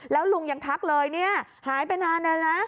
แล้วลุงยังทักเลยเนี่ยหายไปนานแล้วนะ